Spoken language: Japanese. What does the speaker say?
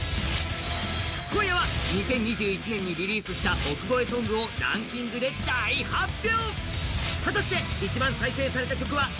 今夜は２０２１年にリリースした億超えソングをランキングで大発表！